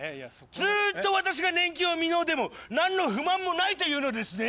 ずっと私が年金を未納でも何の不満もないというのですね？